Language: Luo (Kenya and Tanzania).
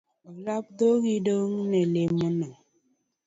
Olap dhogi ndong ne lemono.